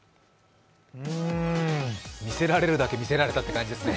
見せられるだけ見せられたって感じですね。